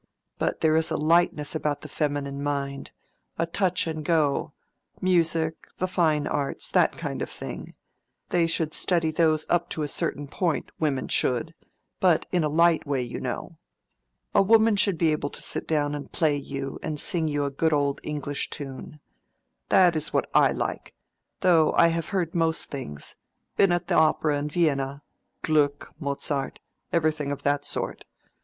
But there is a lightness about the feminine mind—a touch and go—music, the fine arts, that kind of thing—they should study those up to a certain point, women should; but in a light way, you know. A woman should be able to sit down and play you or sing you a good old English tune. That is what I like; though I have heard most things—been at the opera in Vienna: Gluck, Mozart, everything of that sort.